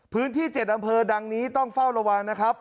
พื้นที่๗อำเภอดังนี้ต้องเฝ้าระวังนะครับ